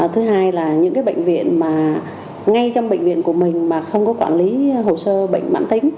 thứ hai là những bệnh viện mà ngay trong bệnh viện của mình mà không có quản lý hồ sơ bệnh mãn tính